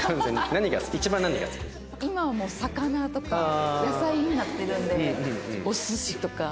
今はもう魚とか野菜になってるんでお寿司とか。